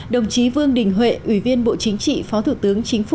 đồng chí vương đình huệ ủy viên bộ chính trị phó thủ tướng chính phủ